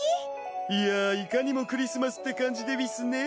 いやいかにもクリスマスって感じでうぃすねぇ。